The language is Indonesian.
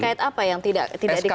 sk terkait apa yang tidak dikeluarkan